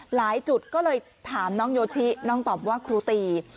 หลายจุดก็เลยถามน้องโยชิน้องตอบว่าครูตี